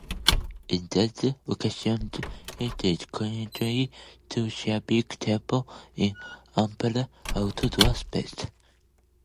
In these occasions it is customary to share big tables in ample outdoor spaces.